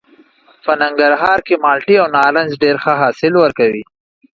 په ننګرهار کې مالټې او نارنج ډېر ښه حاصل ورکوي.